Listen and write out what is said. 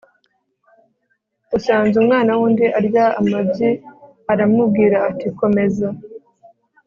usanze umwana w'undi arya amabyi aramubwira ati komeza